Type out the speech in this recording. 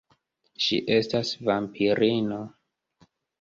Ŝi estas vampirino.